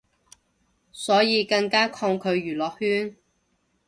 所以更加抗拒娛樂圈